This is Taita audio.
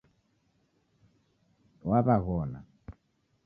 Wawaghona